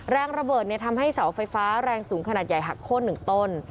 แรงระเบิดทำให้เสาไฟฟ้าแรงสูงขนาดใหญ่หักโค้น๑ต้น